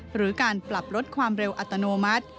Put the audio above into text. หรือการปรับลดความเร็วอัตโนมัติ